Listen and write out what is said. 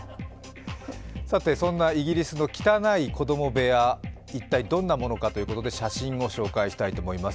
そんなイギリスの汚い子供部屋、一体どんなものかということで写真を紹介したいと思います。